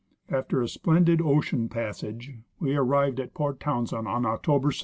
After a splendid ocean pas sage, we arrived at Port Townsend on October 2.